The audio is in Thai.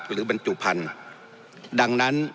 หรือบรรจุพันธ์